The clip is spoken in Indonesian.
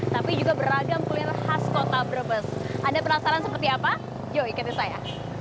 tapi juga beragam kuliner khas kota brebes anda penasaran seperti apa yuk ikuti saya